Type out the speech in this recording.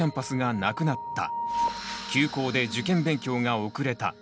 「休校で受験勉強が遅れた」。